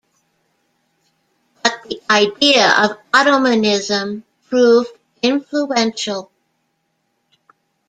But the idea of Ottomanism proved influential.